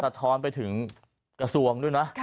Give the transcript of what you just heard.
ท้อนไปถึงกระทรวงด้วยนะ